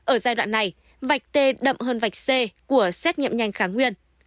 ở giai đoạn này vạch tê đậm hơn vạch c của xét nghiệm nhanh kháng nguyên